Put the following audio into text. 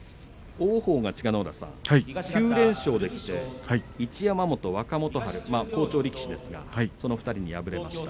王鵬が９連勝できて一山本、若元春好調力士ですがその２人に敗れました。